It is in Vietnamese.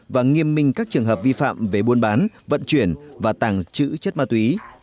và nghiêm minh các trường hợp vi phạm về buôn bán vận chuyển và tàng trữ chất ma túy